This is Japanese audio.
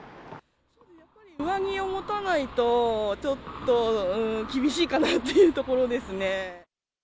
上着を持たないと、ちょっと厳しいかなっていうところですね。